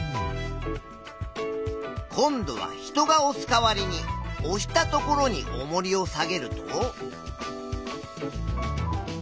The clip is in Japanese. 今度は人がおす代わりにおしたところにおもりを下げると。